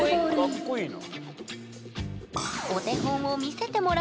かっこいいな。